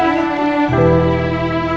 setiap hari mama lihat coke kamu